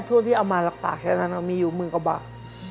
แค่ช่วงที่เอามารักษาแค่นั้นมีอยู่มือกระบาด